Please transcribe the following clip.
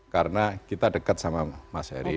karena kita dekat sama mas erik